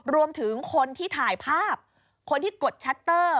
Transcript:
รวมถึงคนที่ถ่ายภาพคนที่กดชัตเตอร์